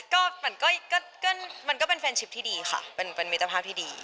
ก็มันก็เป็นแฟนชิปที่ดีค่ะเป็นมิตรภาพที่ดี